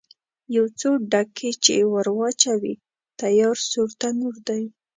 یو څو ډکي چې ور واچوې، تیار سور تنور دی.